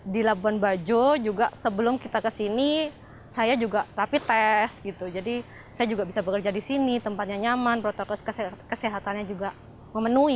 di labuan bajo juga sebelum kita kesini saya juga rapid test gitu jadi saya juga bisa bekerja di sini tempatnya nyaman protokol kesehatannya juga memenuhi